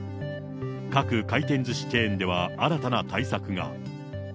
各回転ずしチェーンでは新たな対策が。